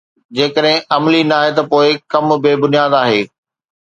جيڪڏهن عملي ناهي ته پوءِ ڪم بي بنياد آهي